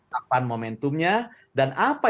takpan momentumnya dan apa